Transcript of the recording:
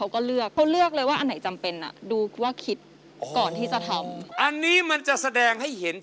คือมีความตั้งใจมากค่ะ